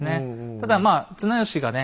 ただまあ綱吉がね